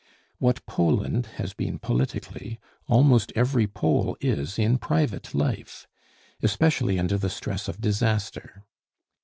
What Poland has been politically, almost every Pole is in private life, especially under the stress of disaster.